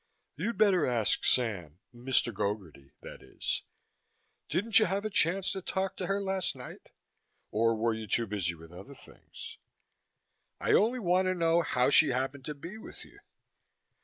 "You'd better ask Sam Mr. Gogarty, that is. Didn't you have a chance to talk to her last night? Or were you too busy with other things?" "I only want to know how she happened to be with you."